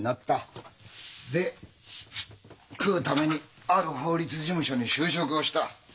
で食うためにある法律事務所に就職をした。